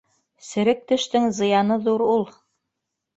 — Серек тештең зыяны ҙур ул.